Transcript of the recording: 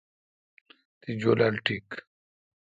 تی جولال ٹیک۔